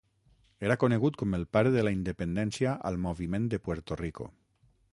Era conegut com el pare de la independència al moviment de Puerto Rico.